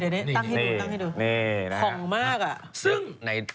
ห่องมากอะ